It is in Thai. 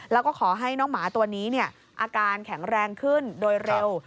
แล้วก็ขอให้น้องหมาตัวนี้อาการแข็งแรงขึ้นโดยเร็ว